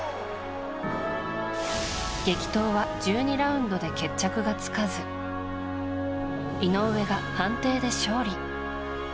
激闘は１２ラウンドで決着がつかず井上が判定で勝利。